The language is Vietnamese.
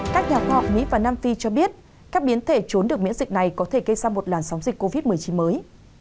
các nhà khoa học mỹ và nam phi cho biết các biến thể trốn được miễn dịch này có thể gây ra một làn sóng dịch covid một mươi chín mới